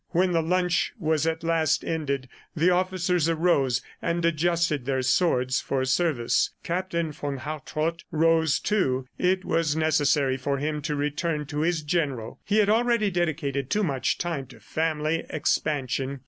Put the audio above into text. ... When the lunch was at last ended, the officers arose and adjusted their swords for service. Captain von Hartrott rose, too; it was necessary for him to return to his general; he had already dedicated too much time to family expansion.